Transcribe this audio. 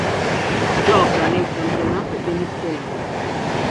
Gioca nel campionato venezuelano.